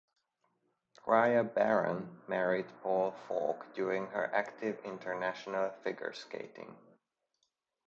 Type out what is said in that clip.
Ria Baran married Paul Falk during her active international figure skating.